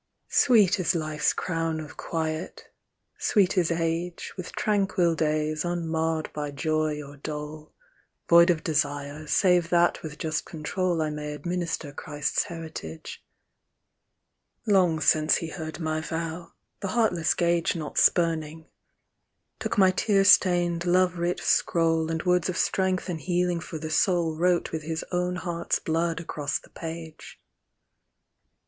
Sweet is life's crown of quiet ; sweet is age, With tranquil days, unmarred by joy or dole, Void of desire, save that with just control I may administer Christ's heritage : Long since he heard my vow, the heartless gage Not spurning ; took my tear stained, love writ scroll, And words of strength and healing for the soul Wrote with his own heart's blood across the page.